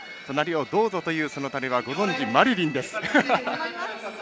「隣をどうぞ」というその隣はご存じマリリンです。